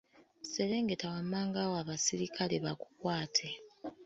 Serengeta wammanga awo abaserikale bakukwate.